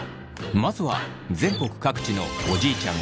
まずは全国各地のおじいちゃん